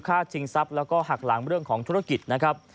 ชิงทรัพย์แล้วก็หักหลังเรื่องของธุรกิจนะครับ